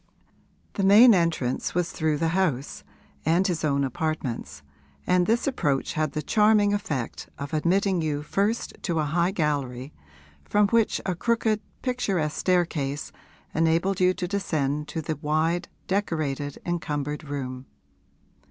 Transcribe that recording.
The main entrance was through the house and his own apartments, and this approach had the charming effect of admitting you first to a high gallery, from which a crooked picturesque staircase enabled you to descend to the wide, decorated, encumbered room.